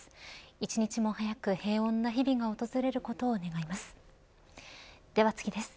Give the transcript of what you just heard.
一日も早く平穏な日々が訪れることを願います。